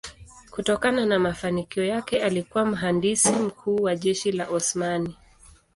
Kutokana na mafanikio yake alikuwa mhandisi mkuu wa jeshi la Osmani.